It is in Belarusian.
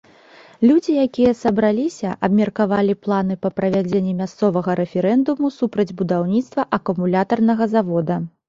Людзі, якія сабраліся, абмеркавалі планы па правядзенні мясцовага рэферэндуму супраць будаўніцтва акумулятарнага завода.